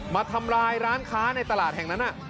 มาทำร้ายร้านค้าในตลาดแห่งนั้น